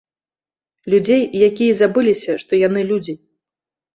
Людзей, якія забыліся, што яны людзі.